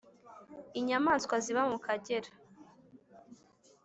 inyamanswa ziba mu Kagera